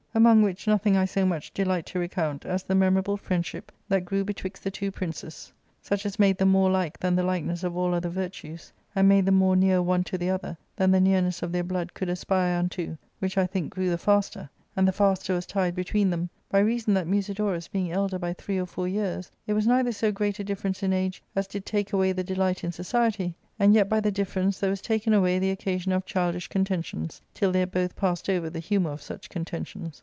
"Among which nothing I so much delight to recount as the memorable friendship that grew betwixt the two princes, such as made them more like than the likeness of all other virtues, and made them more near one to the other than the nearness of their blood could aspire unto, which I think grew the faster, and the faster was tied between them, by reason that Musidorus being elder by three or four years, it was neither yso great a difference in age as did take away the delight in ,' society, and yet by the difference there was taken away the occasion of childish contentions, till they had both past over the humour of such contentions.